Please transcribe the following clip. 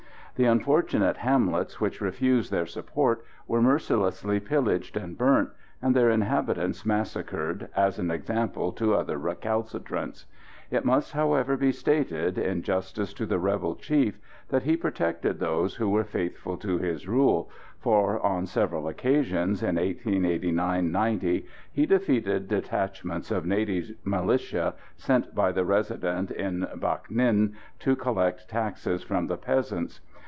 The unfortunate hamlets which refused their support were mercilessly pillaged and burnt, and their inhabitants massacred as an example to other recalcitrants. It must, however, be stated, in justice to the rebel chief, that he protected those who were faithful to his rule, for, on several occasions, in 1889 90, he defeated detachments of native militia sent by the Resident in Bac Ninh to collect taxes from the peasants.